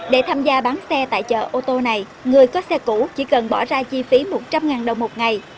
để tham gia bán xe tại chợ ô tô này người có xe cũ chỉ cần bỏ ra chi phí một trăm linh đồng một ngày